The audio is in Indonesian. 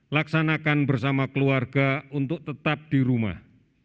laksanakan bersama keluarga untuk tetap di rumah